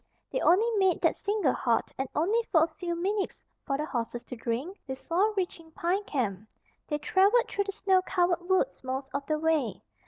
They only made that single halt (and only for a few minutes for the horses to drink) before reaching Pine Camp. They traveled through the snow covered woods most of the way.